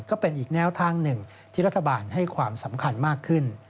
ก็เป็นอีกแนวทางหนึ่งที่รัฐบาลให้ความสำคัญมากขึ้น